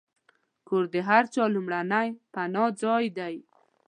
کور د هر چا لومړنی پناهځای دی.